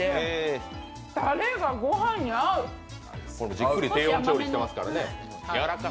じっくり低温調理していますからね。